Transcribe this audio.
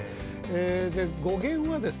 で語源はですね